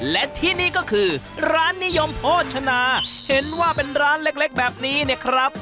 และที่นี่ก็คือร้านนิยมโภชนาเห็นว่าเป็นร้านเล็กแบบนี้เนี่ยครับ